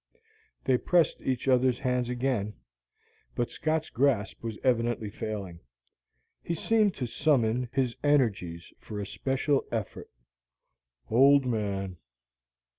They pressed each other's hands again, but Scott's grasp was evidently failing. He seemed to summon his energies for a special effort. "Old man!"